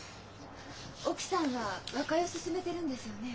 奥さんは和解を勧めてるんですよね？